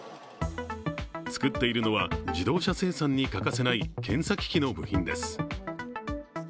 作っているのは、自動車生産に欠かせない検査機器の部品です。